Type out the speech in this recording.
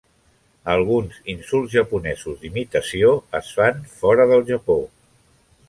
Alguns insults japonesos d'imitació es fan fora del Japó.